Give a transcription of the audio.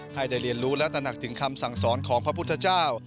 ให้ได้เรียนรู้และตนักถึงคำสั่งสอนของพระพุทธเจ้า